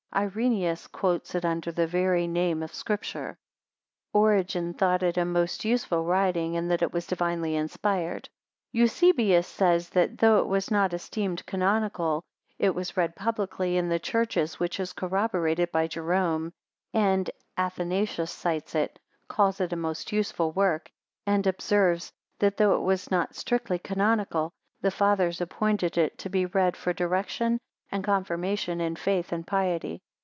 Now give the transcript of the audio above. Ireneus quotes it under the very name of Scripture. Origen thought it a most useful writing, and that it was divinely inspired; Eusebius says that, though it was not esteemed canonical, it was read publicly in the churches, which is corroborated by Jerome; and Athanasius cites it, calls it a most useful work, and observes, that though it was not strictly canonical, the Fathers appointed it to be read for direction and confirmation in faith and piety.